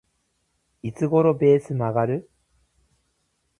いつ頃ベース曲がる？